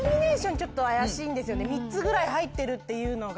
３つぐらい入ってるっていうのが。